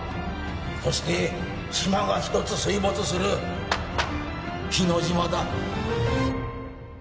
そして島が１つ水没する日之島だ